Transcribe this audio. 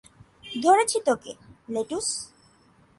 ধরেছি তোকে, লেটুস।